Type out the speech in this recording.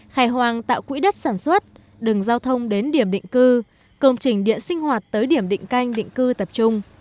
khai hoang tạo quỹ đất sản xuất đường giao thông đến điểm định cư công trình điện sinh hoạt tới điểm định canh định cư tập trung